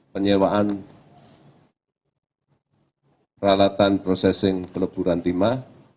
penyewaan peralatan processing keleburantimah